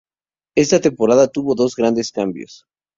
Esta temporada tuvo dos grandes cambios.